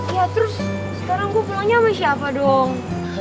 ya terus sekarang gue pulangnya sama siapa dong